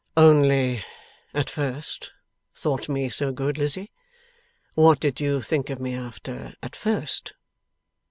'Only "at first" thought me so good, Lizzie? What did you think me after "at first"?